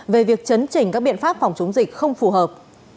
về việc chấn chỉnh các biện pháp phòng chống dịch không phù hợp